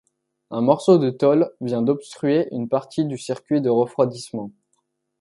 Un morceau de tôle vient d'obstruer une partie du circuit de refroidissement.